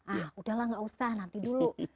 ah udahlah gak usah nanti dulu